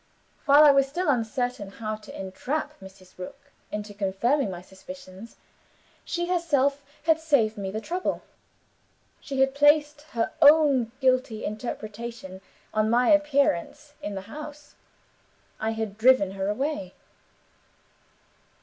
While I was still uncertain how to entrap Mrs. Rook into confirming my suspicions, she herself had saved me the trouble. She had placed her own guilty interpretation on my appearance in the house I had driven her away!"